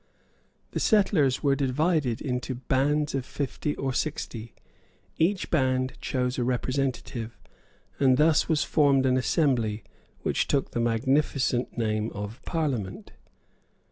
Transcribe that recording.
The settlers were divided into bands of fifty or sixty; each band chose a representative; and thus was formed an assembly which took the magnificent name of Parliament.